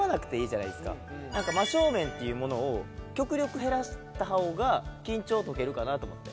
真正面っていうものを極力減らした方が緊張解けるかなと思って。